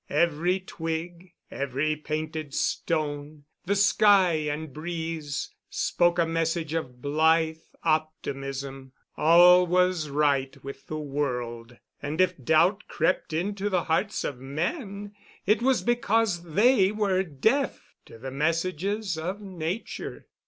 Every twig, every painted stone, the sky and breeze, spoke a message of blithe optimism. All was right with the world, and if doubt crept into the hearts of men it was because they were deaf to the messages of Nature.